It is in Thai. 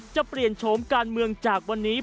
จะเปลี่ยนโฉมการเมืองจากวันนี้